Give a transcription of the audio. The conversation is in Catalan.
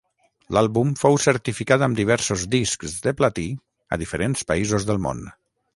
L'àlbum fou certificat amb diversos discs de platí a diferents països del món.